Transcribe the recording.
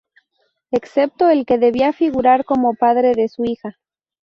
Excepto el que debía figurar como padre de su hija.